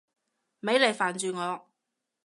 咪嚟煩住我！